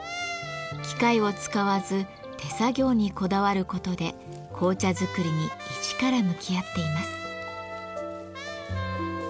機械を使わず手作業にこだわることで紅茶作りに一から向き合っています。